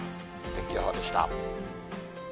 天気予報でした。